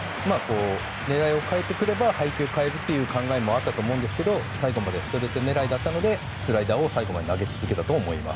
狙いを変えてくれば配球を変えるという考えもあったと思いますが最後までストレート狙いだったのでスライダーを最後まで投げ続けたと思います。